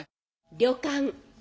旅館。